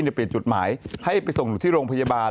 เปลี่ยนจุดหมายให้ไปส่งอยู่ที่โรงพยาบาล